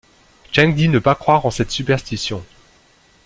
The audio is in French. Cheng dit ne pas croire à cette superstition.